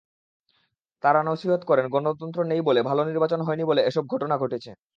তাঁরা নছিহত করেন—গণতন্ত্র নেই বলে, ভালো নির্বাচন হয়নি বলে এসব ঘটনা ঘটছে।